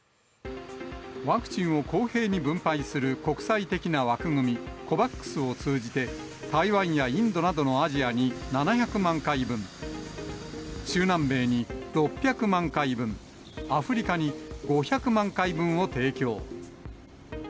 ワクチンを公平に分配する国際的な枠組み、ＣＯＶＡＸを通じて、台湾やインドなどのアジアに７００万回分、中南米に６００万回分、アフリカに５００万回分を提供。